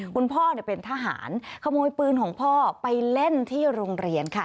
คุณพ่อเป็นทหารขโมยปืนของพ่อไปเล่นที่โรงเรียนค่ะ